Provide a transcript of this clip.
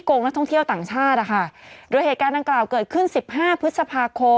โอ้โหนี่น้องจอลาเคเลยะ